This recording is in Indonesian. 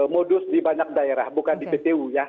modus di banyak daerah bukan di ptu ya